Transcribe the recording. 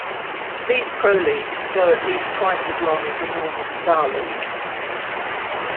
These pro leagues go at least twice as long as a normal Starleague.